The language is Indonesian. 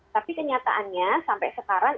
tapi kenyataannya sampai sekarang